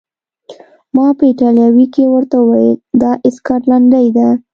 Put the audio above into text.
ما په ایټالوي کې ورته وویل: دا سکاټلنډۍ ده.